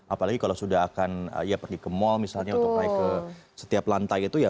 apalagi kalau sudah akan ya pergi ke mal misalnya untuk naik ke setiap lantai itu ya